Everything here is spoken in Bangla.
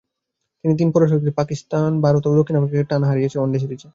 তিন পরাশক্তিধর পাকিস্তান, ভারত ও দক্ষিণ আফ্রিকাকে টানা হারিয়েছে ওয়ানডে সিরিজে।